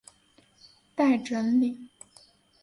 待整理